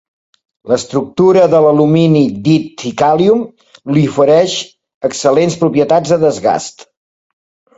La estructura de l'alumini dit "ticalium" li ofereix excel·lents propietats de desgast.